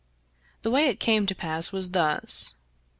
The way it came to pass was thus.